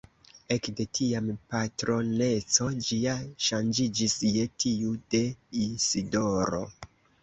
Ekde tiam patroneco ĝia ŝanĝiĝis je tiu de Isidoro.